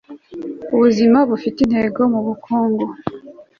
ubuzima bufite intego mubukungu